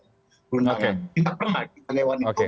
perundangan kita pernah kita lewati